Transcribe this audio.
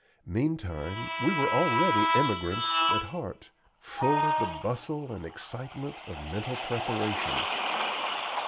Meantime we were already emigrants at heart, full of the bustle and excitement of mental preparation.